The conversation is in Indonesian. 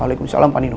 waalaikumsalam pak nino